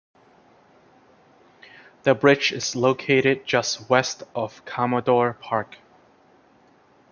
The bridge is located just west of Commodore Park.